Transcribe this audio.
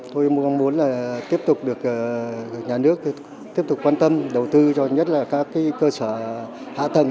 tôi mong muốn là tiếp tục được nhà nước tiếp tục quan tâm đầu tư cho nhất là các cơ sở hạ tầng